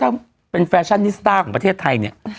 นี่ต้องยอมรับว่าถ้าเป็นแฟชั่นนิสตาล์ของประเทศไทยเนี่ย